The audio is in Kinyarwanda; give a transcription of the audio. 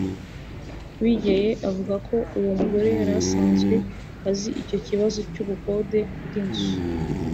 Bigeye ivuga ko uwo mugore yari asanzwe azi icyo kibazo cy’ubukode bw’inzu